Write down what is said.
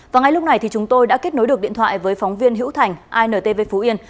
và ngay lúc này thì chúng tôi đã kết nối được điện thoại với phóng viên hữu thành intv phú yên